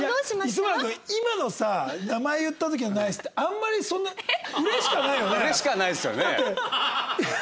磯村君今のさ名前言った時のＮＩＣＥってあんまりそんな嬉しくはないよね？